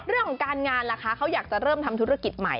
เรื่องของการงานล่ะคะเขาอยากจะเริ่มทำธุรกิจใหม่